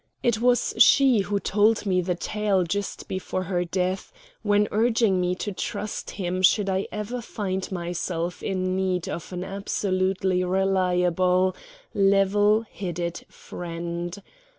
It was she who told me the tale just before her death, when urging me to trust him should I ever find myself in need of an absolutely reliable, level headed friend.